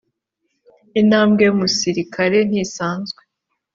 intambwe yumusirikare ntisanzwe.